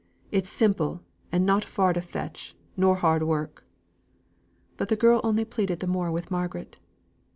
It's simple, and not far to fetch, nor hard to work." But the girl only pleaded the more with Margaret.